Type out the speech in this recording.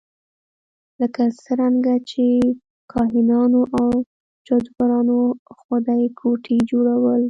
لکه څرنګه چې کاهنانو او جادوګرانو خدایګوټي جوړول.